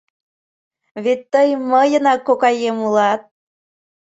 Вет тый мыйынак кокаем улат!